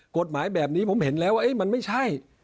กฎหมายแบบนี้ผมเห็นแล้วว่ามันไม่ใช่